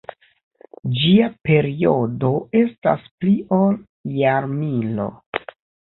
Ĝia periodo estas pli ol jarmilo.